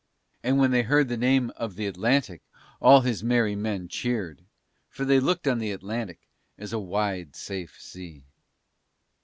And when they heard the name of the Atlantic all his merry men cheered, for they looked on the Atlantic as a wide safe sea.